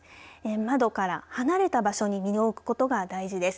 窓から離れた場所に身を置くことが大事です。